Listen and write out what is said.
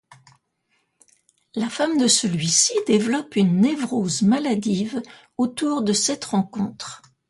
La femme de celui-ci développe une névrose maladive autour de cette rencontre.